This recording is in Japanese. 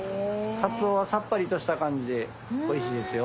カツオはさっぱりとした感じでおいしいですよ。